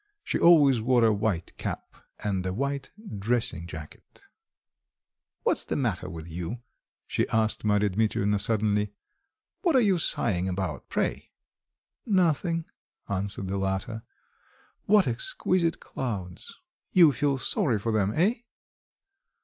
She always wore a white cap and a white dressing jacket. "What's the matter with you?" she asked Marya Dmitrievna suddenly. "What are you sighing about, pray?" "Nothing," answered the latter. "What exquisite clouds!" "You feel sorry for them, eh?"